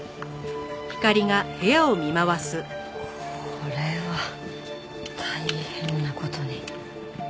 これは大変な事に。